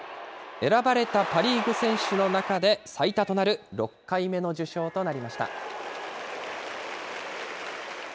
選ばれたパ・リーグ選手の中で最多となる６回目の受賞となりました。